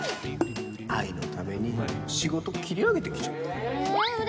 愛衣のために仕事切り上げてきちゃった。